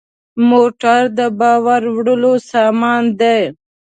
موټر د بار وړلو سامان دی.